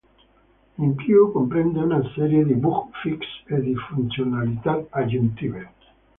In più comprende una serie di bug fix e di funzionalità aggiuntive.